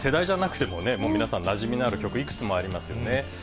世代じゃなくてもね、もう皆さんなじみのある曲、いくつもありますよね。